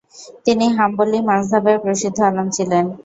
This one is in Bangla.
তিনি হাম্বলী মাযহাবে প্রসিদ্ধ আলেম ছিলেন।